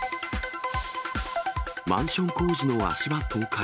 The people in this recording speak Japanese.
マンション工事の足場倒壊。